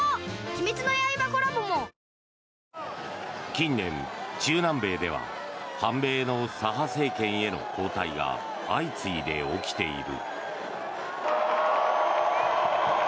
近年、中南米では反米の左派政権への交代が相次いで起きている。